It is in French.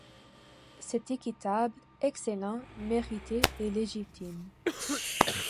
C’est équitable, excellent, mérité et légitime.